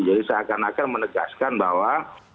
jadi saya akan akan menegaskan bahwa